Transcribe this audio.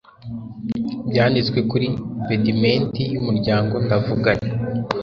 byanditse kuri pedimenti yumuryango ndavuga nti